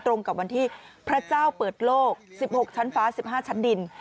ตรงกับวันที่พระเจ้าเปิดโลก๑๖ชั้นฟ้า๑๕ชั้นดิน